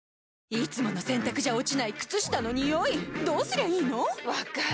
いつもの洗たくじゃ落ちない靴下のニオイどうすりゃいいの⁉分かる。